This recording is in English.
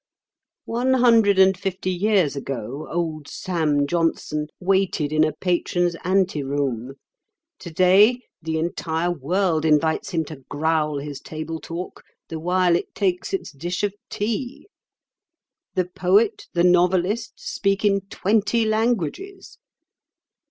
One hundred and fifty years ago old Sam Johnson waited in a patron's anteroom; today the entire world invites him to growl his table talk the while it takes its dish of tea. The poet, the novelist, speak in twenty languages.